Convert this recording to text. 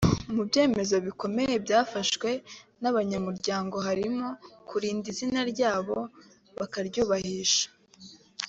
Mu byemezo bikomeye byafashwe n’abanyamuryango harimo kurinda izina ryabo bakaryubahisha